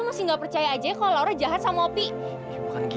gue punya berita buruk